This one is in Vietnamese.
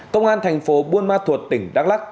công an tp buôn ma thuột tỉnh đắk lắc